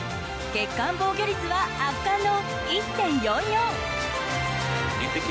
月間防御率は圧巻の１．４４。